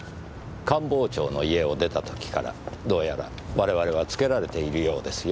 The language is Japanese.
官房長の家を出た時からどうやら我々はつけられているようですよ。